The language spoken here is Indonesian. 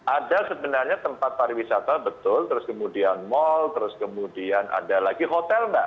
ada sebenarnya tempat pariwisata betul terus kemudian mal terus kemudian ada lagi hotel mbak